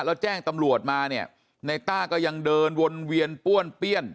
แล้วแจ้งตำรวจมาเนี่ยในต้าก็ยังเดินวนเวียนป้วนเปี้ยน